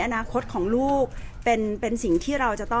แต่ว่าสามีด้วยคือเราอยู่บ้านเดิมแต่ว่าสามีด้วยคือเราอยู่บ้านเดิม